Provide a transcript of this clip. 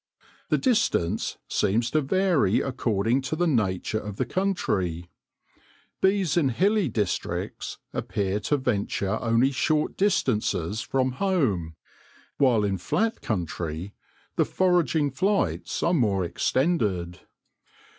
The distance seems to vary according to the nature of the country. Bees in hilly districts appear to venture only short distances from home, while in flat country the foraging flights are more extended.